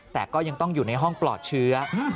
แต่ก็ยังต้องอยู่ในห้องปลอดเชื้อ